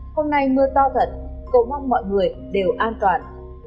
hôm nay mưa to thật cầu mong mọi người đều an toàn